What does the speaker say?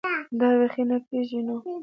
دا بېخي نه پېژنو.